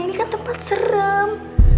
ini kan tempat serem